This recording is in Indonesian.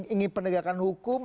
ingin penegakan hukum